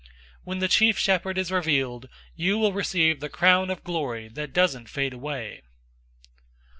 005:004 When the chief Shepherd is revealed, you will receive the crown of glory that doesn't fade away.